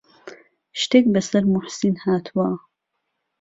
شتێک بەسەر موحسین هاتووە؟